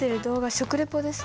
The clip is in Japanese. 食レポですか？